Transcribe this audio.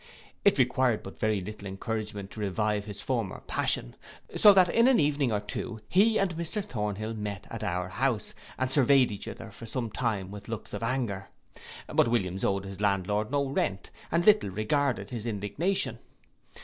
It required but very little encouragement to revive his former passion; so that in an evening or two he and Mr Thornhill met at our house, and surveyed each other for some time with looks of anger: but Williams owed his landlord no rent, and little regarded his indignation.